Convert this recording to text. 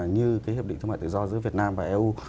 như cái hiệp định thương mại tự do giữa việt nam và eu